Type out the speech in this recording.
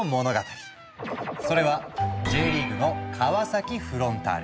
それはＪリーグの川崎フロンターレ。